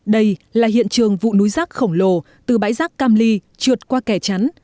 đây là hiện trường vụ núi rắc khổng lồ từ bãi rắc cam ly trượt qua kẻ chắn